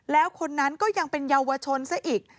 แล้วคนนั้นก็ยังเป็นเยาวชนซะอีก